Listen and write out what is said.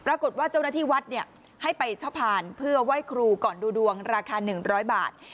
ปรากฏว่าเจ้าหน้าที่วัดให้ไปเช่าพานเพื่อไหว้ครูก่อนดูดวงราคา๑๐๐บาท